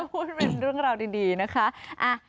พูดเป็นเรื่องราวดีนะคะ